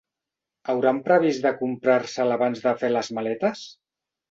¿Hauran previst de comprar-se'l abans de fer les maletes?